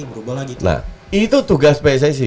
berubah lagi nah itu tugas pssi sih